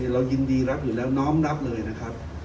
เรายินดีรับอยู่แล้วน้อมรับเลยนะครับ